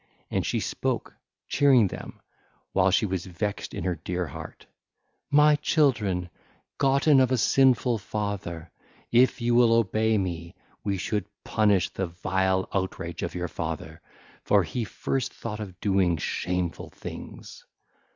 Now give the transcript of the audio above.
And she spoke, cheering them, while she was vexed in her dear heart: (ll. 164 166) 'My children, gotten of a sinful father, if you will obey me, we should punish the vile outrage of your father; for he first thought of doing shameful things.